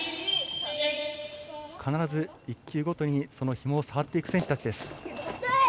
必ず１球ごとにひもを触っていく選手たち。